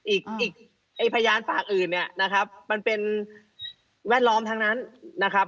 อีกไอ้พยานปากอื่นเนี่ยนะครับมันเป็นแวดล้อมทั้งนั้นนะครับ